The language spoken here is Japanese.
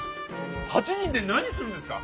８人で何するんですか？